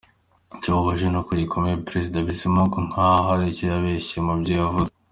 Ikibabaje ni uko yikomye Perezida Bizimungu nkaho hari icyo yabeshye mu byo yavuze.